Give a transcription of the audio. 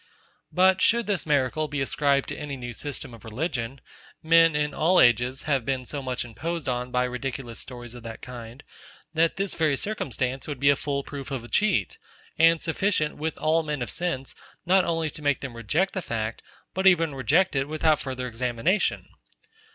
But should this miracle be ascribed to any new system of religion; men, in all ages, have been so much imposed on by ridiculous stories of that kind, that this very circumstance would be a full proof of a cheat, and sufficient, with all men of sense, not only to make them reject the fact, but even reject it without farther examination.